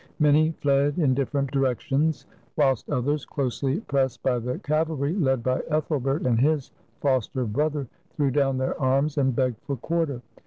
Many fled in difi'erent directions, whilst others, closely pressed by the cavalry led by Ethelbert and his foster brother, threw down their arms and begged for quarter.